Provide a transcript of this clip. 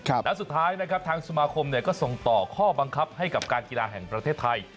และสุดท้ายทางสมาคมก็ส่งต่อข้อบังคับให้กับการกีฬาแห่งประเทศไทย